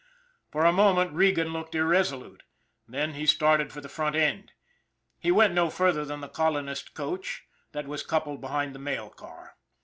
For a mo ment Regan stood irresolute, then he started for the front end. He went no further than the colonist coach, that was coupled behind the mail car.